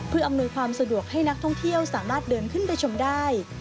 เพื่ออำนวยความสะดวกให้นักท่องเที่ยวสามารถเดินขึ้นไปชมได้